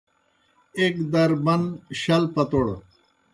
ایْک در بن، شل پٹوڑ